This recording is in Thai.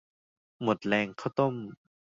หมดแรงข้าวต้ม